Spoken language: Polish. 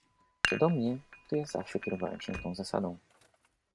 "Co do mnie, to ja zawsze kierowałem się tą zasadą."